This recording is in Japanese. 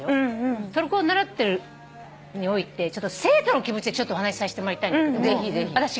トルコ語習ってるにおいて生徒の気持ちでちょっとお話しさせてもらいたいんだけど。